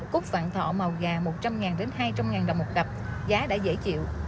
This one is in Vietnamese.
cút vạn thọ màu gà một trăm linh ngàn đến hai trăm linh ngàn đồng một cặp giá đã dễ chịu